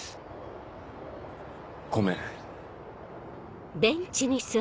ごめん。